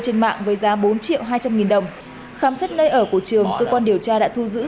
trên mạng với giá bốn triệu hai trăm linh nghìn đồng khám xét nơi ở của trường cơ quan điều tra đã thu giữ